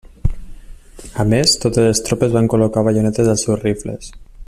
A més totes les tropes van col·locar baionetes als seus rifles.